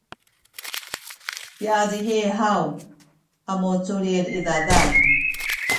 piazihi haw a muculil i zazan